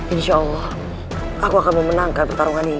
insya allah aku akan memenangkan pertarungan ini